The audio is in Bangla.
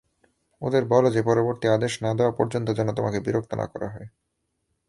ওদের বলো যে পরবর্তী আদেশ না দেওয়া পর্যন্ত যেন তোমাকে বিরক্ত না করা হয়।